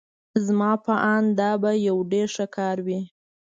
زما په آند دا به یو ډېر ښه کار وي.